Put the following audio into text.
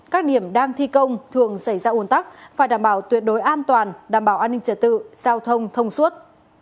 các điểm đang thi công thường xảy ra ồn tắc phải đảm bảo tuyệt đối an toàn đảm bảo an ninh trật tự giao thông thông suốt